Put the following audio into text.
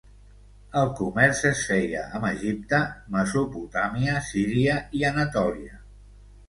El comerç es feia amb Egipte, Mesopotàmia, Síria i Anatòlia.